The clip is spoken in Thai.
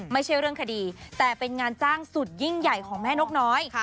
ไม่ใช่เรื่องคดีแต่เป็นงานจ้างสุดยิ่งใหญ่ของแม่นกน้อย